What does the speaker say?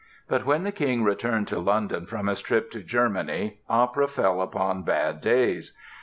But when the King returned to London from his trip to Germany opera fell upon bad days.